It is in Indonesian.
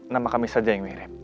nama kami saja yang mirip